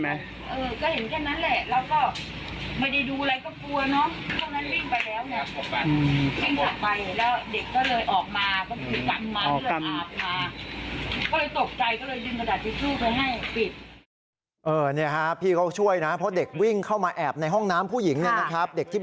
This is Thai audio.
แล้วก็เขาเอาออกมาพี่เขาช่วยนะเพราะเด็กวิ่งเข้ามาแอบในห้องน้ำผู้หญิงนะครับ